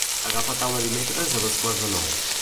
Agafa taula dimecres a dos quarts de nou.